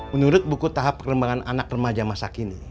menurut buku tahap pengembangan anak remaja masa kini